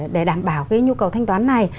để đảm bảo cái nhu cầu thanh toán này